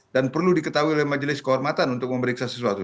dan perlu diketahui oleh majelis kehormatan untuk memeriksa sesuatu